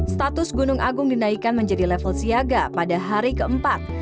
status gunung agung dinaikkan menjadi level siaga pada hari keempat